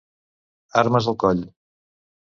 Armes al coll!